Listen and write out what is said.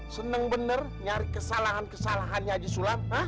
seneng bener nyari kesalahan kesalahannya haji sulap